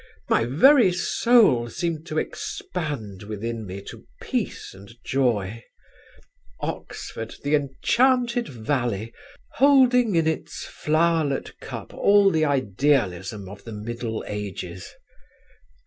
My very soul seemed to expand within me to peace and joy. Oxford the enchanted valley, holding in its flowerlet cup all the idealism of the middle ages.